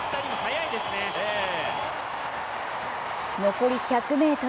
残り１００ｍ。